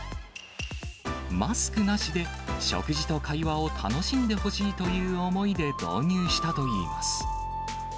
マスクなしで食事と会話を楽しんでほしいという思いで導入したといいます。